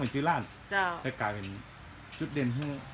โปรดติดตามตอนต่อไป